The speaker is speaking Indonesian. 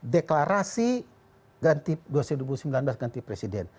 deklarasi dua ribu sembilan belas ganti presiden